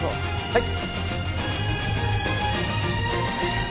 はい。